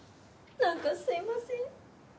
なんかすいません。